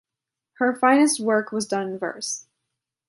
Her finest work was done in verse.